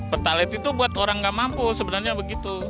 pertalit itu buat orang nggak mampu sebenarnya begitu